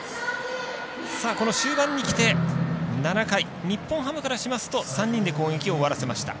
終盤にきて、７回日本ハムからしますと３人で攻撃を終わらせました。